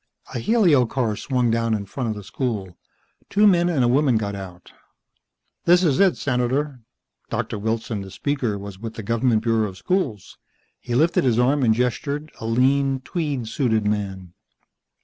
A helio car swung down in front of the school. Two men and a woman got out. "This is it, Senator." Doctor Wilson, the speaker, was with the government bureau of schools. He lifted his arm and gestured, a lean, tweed suited man.